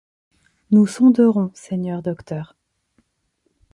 Nous sonderons, seigneur docteur.